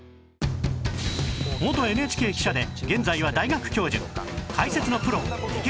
元 ＮＨＫ 記者で現在は大学教授